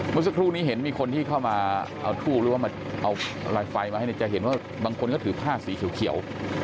เมื่อสักครู่นี้เห็นมีคนที่เข้ามาเอาทูบหรือว่ามาเอาลายไฟมาให้เนี่ยจะเห็นว่าบางคนก็ถือผ้าสีเขียว